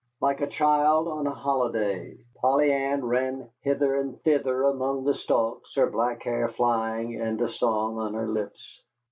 Like a child on a holiday, Polly Ann ran hither and thither among the stalks, her black hair flying and a song on her lips.